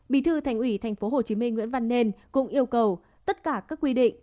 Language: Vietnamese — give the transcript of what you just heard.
bí thư thành ủy tp hcm nguyễn văn nên cũng yêu cầu tất cả các quy định